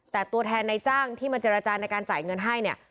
แต่ตัวแทนในจ้างที่มาเจรจาในการจ่ายเงินให้เนี่ย